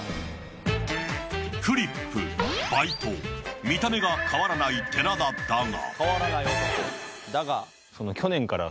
フリップ、バイト見た目が変わらない寺田だが。